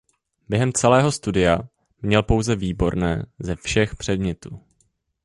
Během celého studia měl pouze „výborné“ ze všech předmětů.